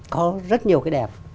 có rất nhiều cái đẹp